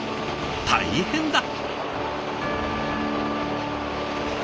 大変だ！